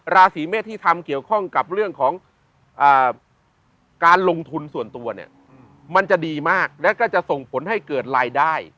ราศีเมษที่ทำเกี่ยวข้องกับเรื่องของการลงทุนส่วนตัวเนี่ยมันจะดีมากและก็จะส่งผลให้เกิดรายได้